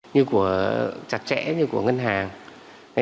như của trạc trẽ như của ngân hàng